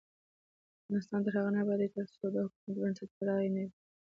افغانستان تر هغو نه ابادیږي، ترڅو د حکومت بنسټ پر رایه نه وي.